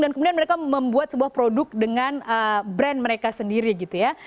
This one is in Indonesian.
dan kemudian mereka membuat sebuah produk dengan brand mereka sendiri gitu ya